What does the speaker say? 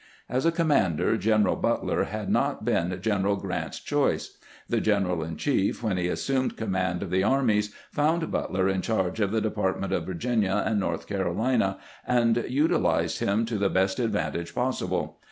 As a commander General Bntler had not been Gren eral Grant's choice. The general in chief, when he as sumed command of the armies, found Butler in charge of the Department of Virginia and North Carolina, and utilized him to the best advantage possible.